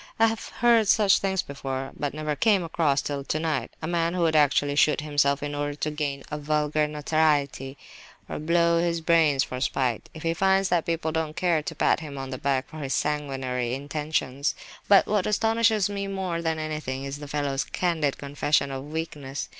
I have heard of such things before, but never came across, till tonight, a man who would actually shoot himself in order to gain a vulgar notoriety, or blow out his brains for spite, if he finds that people don't care to pat him on the back for his sanguinary intentions. But what astonishes me more than anything is the fellow's candid confession of weakness.